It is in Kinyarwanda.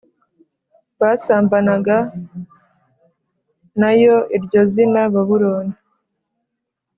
basambanaga na yo Iryo zina Babuloni